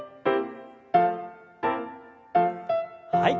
はい。